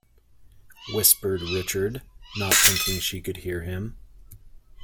whispered Richard, not thinking she could hear him.